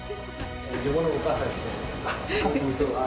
自分のお母さんみたいですよ。